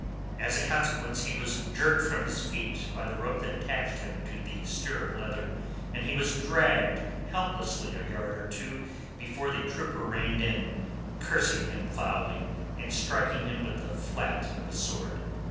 As a consequence he was jerked from his feet by the rope that attached him to the stirrup leather, and he was dragged helplessly a yard or two before the trooper reined in, cursing him foully, and striking him with the flat of his sword.